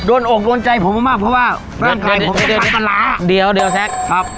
โดนโอกลงใจผมมากเพราะว่าฟังไข่ผมจะขายตลาดเดี๋ยวเดี๋ยวแซ็คครับ